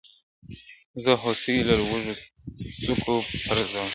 زه هوسۍ له لوړو څوکو پرزومه-